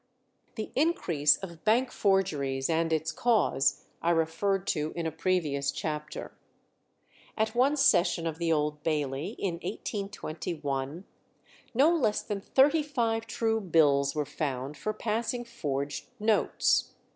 The increase of bank forgeries, and its cause, I referred to in a previous chapter. At one session of the Old Bailey, in 1821, no less than thirty five true bills were found for passing forged notes.